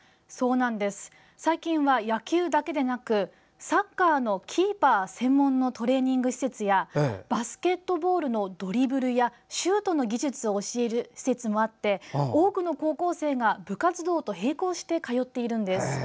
最近は野球だけでなくサッカーのキーパー専門のトレーニング施設やバスケットボールのドリブルやシュートの技術を教える施設もあって多くの高校生が部活動と並行して通っているんです。